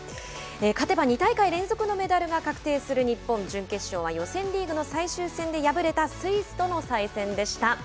勝てば２大会連続のメダルが確定する日本準決勝は予選リーグの最終戦で敗れたスイスとの再戦でした。